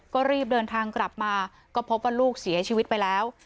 ก็รีบเดินทางกลับมาก็พบว่าลูกเสียชีวิตไปแล้ว